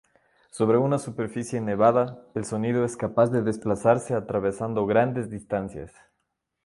Sobre una superficie nevada, el sonido es capaz de desplazarse atravesando grandes distancias.